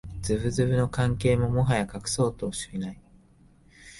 ズブズブの関係をもはや隠そうともしない